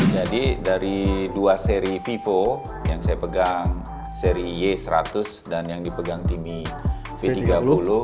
jadi dari dua seri vivo yang saya pegang seri y seratus dan yang dipegang timmy v tiga puluh